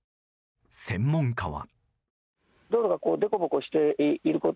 専門家は。